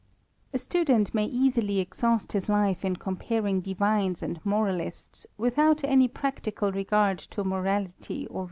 i Student may easily exhaust his life in comparing divinea and moralists, without any practical regard to morality oi!